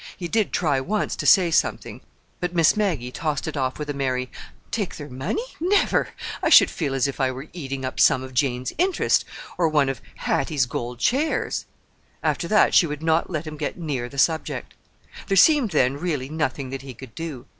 He did try once to say something; but Miss Maggie tossed it off with a merry: "Take their money? Never! I should feel as if I were eating up some of Jane's interest, or one of Hattie's gold chairs!" After that she would not let him get near the subject. There seemed then really nothing that he could do.